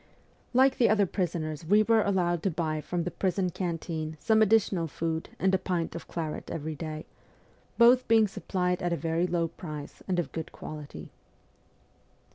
Like the other prisoners we were allowed to buy from the prison canteen some additional food and a pint of claret every day, both being supplied at a very low price and of good quality.